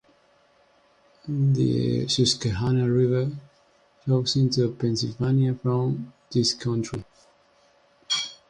The Susquehanna River flows into Pennsylvania from this county.